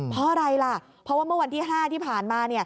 เพราะอะไรล่ะเพราะว่าเมื่อวันที่๕ที่ผ่านมา